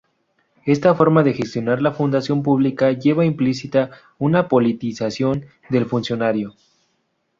Esta forma de gestionar la función pública llevaba implícita una politización del funcionariado.